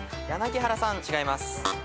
柳原さん違います。